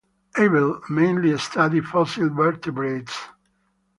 Abel mainly studied fossil vertebrates.